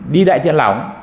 đi đại trận lỏng